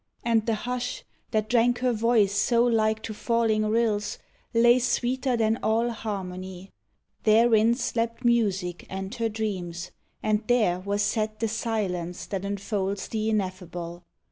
And the hush That drank her voice so like to falling rills, Lay sweeter than all harmony: therein Slept Music and her dreams, and there was set The silence that enfolds the ineffable.